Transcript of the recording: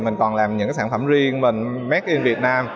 mình còn làm những sản phẩm riêng mình make in việt nam